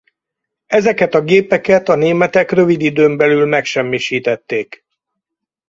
Ezeket a gépeket a németek rövid időn belül megsemmisítették.